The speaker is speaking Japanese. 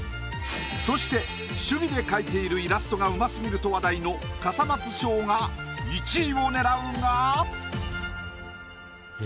そして趣味で描いているイラストがうますぎると話題の笠松将が１位を狙うが。